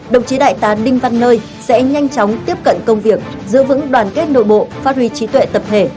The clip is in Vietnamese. đồng chí đại tá đinh văn nơi sẽ nhanh chóng tiếp cận công việc giữ vững đoàn kết nội bộ phát huy trí tuệ tập thể